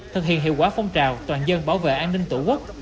thực hiện hiệu quả phong trào toàn dân bảo vệ an ninh tổ quốc